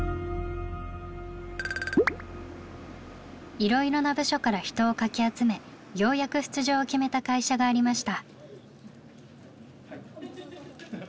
いろいろな部署から人をかき集めようやく出場を決めた会社がありました。